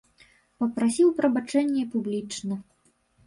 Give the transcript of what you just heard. Папрасіў прабачэння і публічна.